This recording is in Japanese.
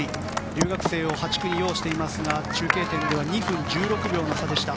留学生を８区に擁していますが中継点では２分１６秒の差でした。